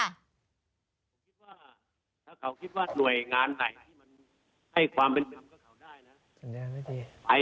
ถ้าเขาคิดว่าหน่วยงานไหนให้ความเป็นดำก็เขาได้นะ